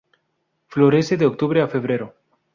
Florece de octubre a febrero.